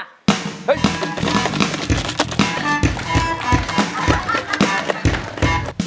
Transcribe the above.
เฮ้ย